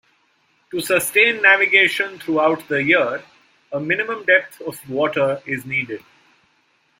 To sustain navigation throughout the year a minimum depth of water is needed.